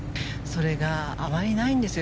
それがあまりないんです。